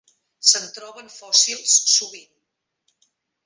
Se'n troben fòssils sovint.